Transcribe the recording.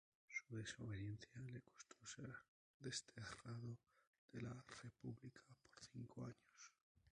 Su desobediencia le costó ser desterrado de la república por cinco años.